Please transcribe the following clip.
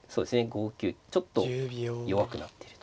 ５九ちょっと弱くなってると。